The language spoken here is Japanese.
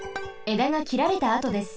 えだがきられたあとです。